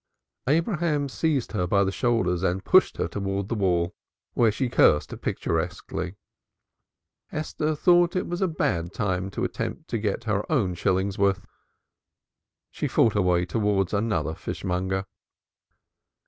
Abraham seized her by the shoulders and pushed her towards the wall, where she cursed picturesquely. Esther thought it was a bad time to attempt to get her own shilling's worth she fought her way towards another fishmonger.